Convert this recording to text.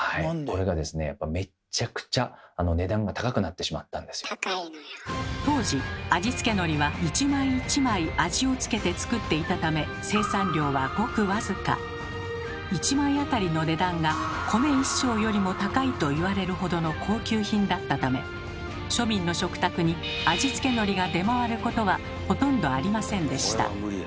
これがですねやっぱ当時味付けのりは一枚一枚味を付けて作っていたため一枚当たりの値段が米一升よりも高いといわれるほどの高級品だったため庶民の食卓に味付けのりが出回ることはほとんどありませんでした。